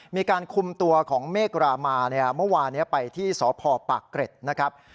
มีการคุมตัวของเมฆรามาเนี่ยเมื่อวานี้ไปที่สพปากเกร็ดนะครับ